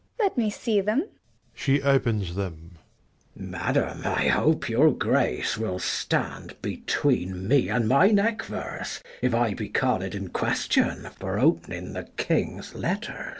Gon. Let me see them. [She opens them. Mess. Madam, I hope your grace will stand 50 Between me and my neck verse, if t be Called in question, for opening the king's letters.